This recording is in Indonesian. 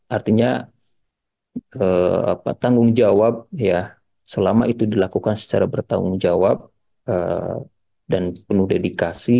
artinya tanggung jawab ya selama itu dilakukan secara bertanggung jawab dan penuh dedikasi